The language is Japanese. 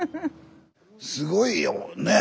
すごいよねえ。